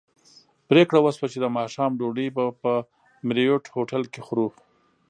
پرېکړه وشوه چې د ماښام ډوډۍ به په مریوټ هوټل کې خورو.